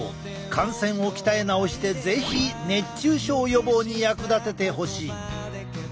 汗腺を鍛え直して是非熱中症予防に役立ててほしい。